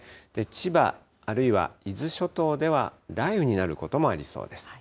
千葉、あるいは伊豆諸島では雷雨になることもありそうです。